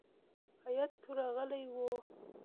هیات ورغلی وو.